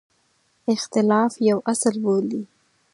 اختلاف یو اصل بولي.